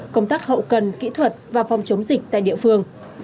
công tác hậu cần kỹ thuật và phòng chống dịch tại địa phương